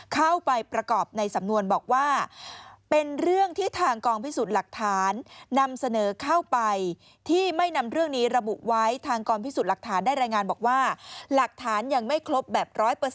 เข้าไปประกอบในสำนวนบอกว่าเป็นเรื่องที่ทางกองพิสูจน์หลักฐานนำเสนอเข้าไปที่ไม่นำเรื่องนี้ระบุไว้ทางกองพิสูจน์หลักฐานได้รายงานบอกว่าหลักฐานยังไม่ครบแบบ๑๐๐